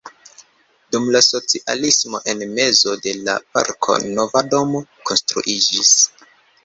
Dum la socialismo en mezo de la parko nova domo konstruiĝis.